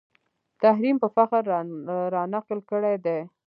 تحریم په فخر رانقل کړی دی